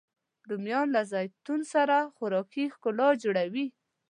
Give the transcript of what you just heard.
رومیان له زیتون سره خوراکي ښکلا جوړوي